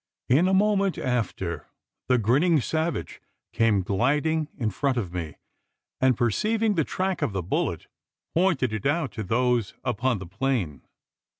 In a moment after, the grinning savage came gliding in front of me; and, perceiving the track of the bullet, pointed it out to those upon the plain.